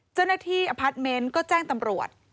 เจ้าหน้าที่อพาสเมนต์ก็แจ้งตำรวจ